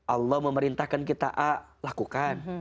allah memerintahkan kita a lakukan